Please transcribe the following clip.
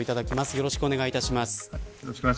よろしくお願いします。